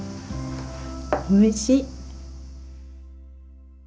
おいしい。